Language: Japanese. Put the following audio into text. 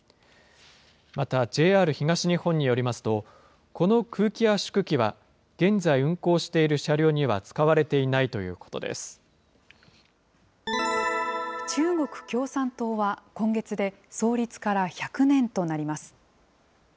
また、ＪＲ東日本によりますと、この空気圧縮機は、現在運行している車両には使われていないとい中国共産党は、今月で創立から１００年となります。